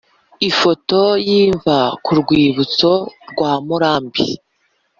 Ifoto y imva ku rwibutso rwa Murambi